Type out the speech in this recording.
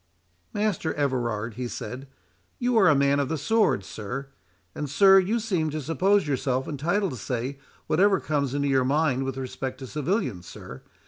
"Master Everard," he said, "you are a man of the sword, sir; and, sir, you seem to suppose yourself entitled to say whatever comes into your mind with respect to civilians, sir.